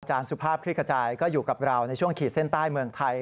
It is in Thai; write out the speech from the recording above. สุภาพคลิกกระจายก็อยู่กับเราในช่วงขีดเส้นใต้เมืองไทย